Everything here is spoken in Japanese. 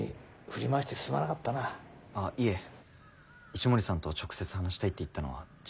石森さんと直接話したいって言ったのは自分なんで。